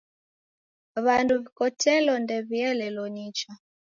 W'andu w'ikotelo ndew'ielelo nicha.